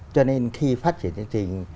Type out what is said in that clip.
cho nên khi phát triển chương trình